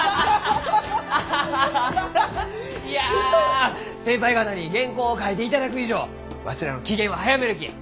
いや先輩方に原稿を書いていただく以上わしらの期限は早めるき。